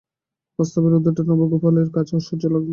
প্রস্তাবের ঔদ্ধত্যটা নবগোপালের কাছে অসহ্য লাগল।